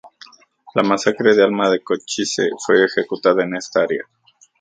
La masacre de Alma de Cochise fue ejecutada en esta área.